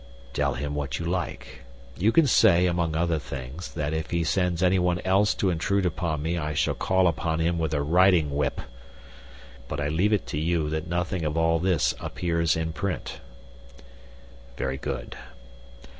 "Tell him what you like. You can say, among other things, that if he sends anyone else to intrude upon me I shall call upon him with a riding whip. But I leave it to you that nothing of all this appears in print. Very good.